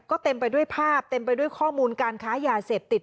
ก็เต็มไปด้วยภาพเต็มไปด้วยข้อมูลการค้ายาเสพติด